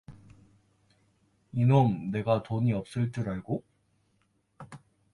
이놈 내가 돈이 없을 줄 알고.